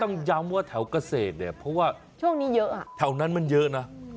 ต้องย้ำว่าแถวกเศษเพราะว่าช่วงนี้เยอะแถวนั้นมันเยอะนะ